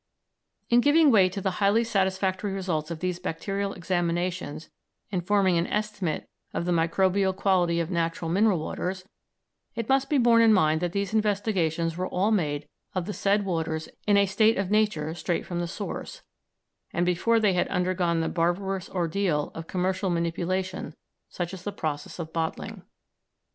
In giving weight to the highly satisfactory results of these bacterial examinations in forming an estimate of the microbial quality of natural mineral waters, it must be borne in mind that these investigations were all made of the said waters in a state of nature straight from the source, and before they had undergone the barbarous ordeal of commercial manipulation such as the process of bottling.